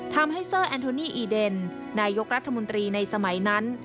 ทำให้เซอร์แอนโทนี่อีเดนนายกรัฐมนตรีในสมัยนั้น